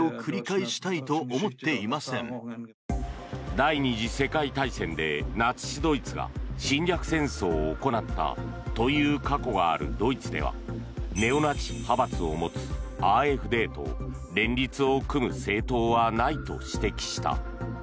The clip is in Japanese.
第２次世界大戦でナチスドイツが侵略戦争を行ったという過去があるドイツではネオナチ派閥を持つＡｆＤと連立を組む政党はないと指摘した。